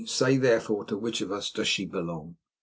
Say, therefore, to which of us does she belong?"